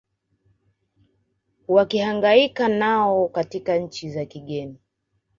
wakihangaika nao katika nchi za kigeni